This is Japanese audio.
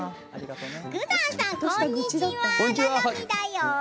伯山さん、こんにちはななみだよ。